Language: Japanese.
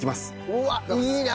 うわっいいな！